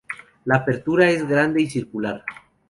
La apertura es grande y circular.